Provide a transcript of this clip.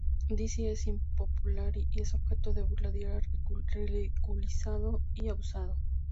Dizzy es impopular y es objeto de burla diaria, ridiculizado y abusado.